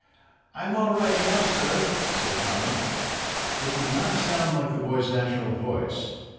"I'm all right now, sir," said Tommy. It did not sound like the boy's natural voice.